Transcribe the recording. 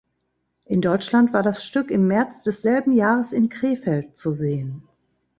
In Deutschland war das Stück im März desselben Jahres in Krefeld zu sehen.